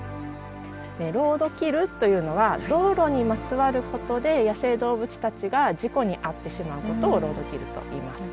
ロードキルというのは道路にまつわることで野生動物たちが事故に遭ってしまうことをロードキルといいます。